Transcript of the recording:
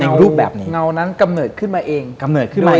รูปแบบเงานั้นกำเนิดขึ้นมาเองกำเนิดขึ้นมาเอง